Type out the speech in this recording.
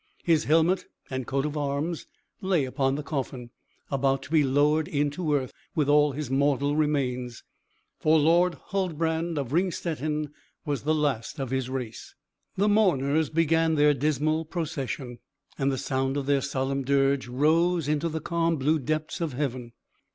His helmet and coat of arms lay upon the coffin, about to be lowered into earth with his mortal remains; for Lord Huldbrand of Ringstetten was the last of his race. The mourners began their dismal procession, and the sound of their solemn dirge rose into the calm blue depths of heaven.